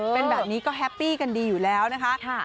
เป็นแบบนี้ก็แฮปปี้กันดีอยู่แล้วนะคะ